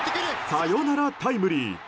サヨナラタイムリー。